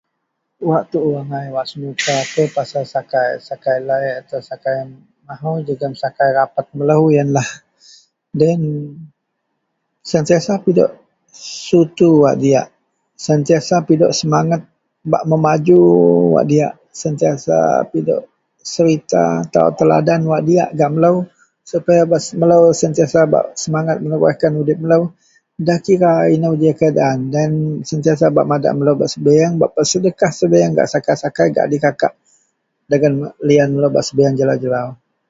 Wak tuu angai wak senukakou pasel sakai - sakai lai atau sakai mahou jegem serta sakai rapet melou yenlah doyen sentiasa pidok sutu wak diyak, sentiasa pidok semanget bak memajukan wak diyak, sentiasa pidok serita atau teladan wak diyak gak melou sepaya melou sentiasa bak semanget melou akan udip melou nda kira inou ji keadaan dan sentiasa bak madak melou bak sebieng, bak pesedekah sebieng gak sakai, gak adikakak dagen liyan melou bak sebieng jelau - jelau